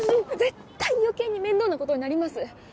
絶対余計に面倒なことになります！